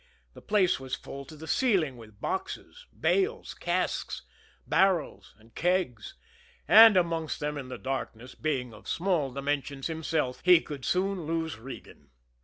The place was full to the ceiling with boxes, bales, casks, barrels and kegs, and amongst them in the darkness, being of small dimensions himself, he could soon lose Regan.